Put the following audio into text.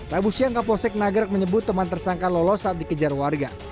rabu siang kapolsek nagrek menyebut teman tersangka lolos saat dikejar warga